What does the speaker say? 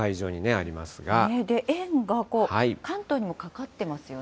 円が関東にもかかってますよ